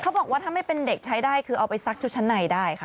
บอกว่าถ้าไม่เป็นเด็กใช้ได้คือเอาไปซักชุดชั้นในได้ค่ะ